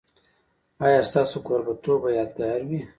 ایا ستاسو کوربه توب به یادګار وي؟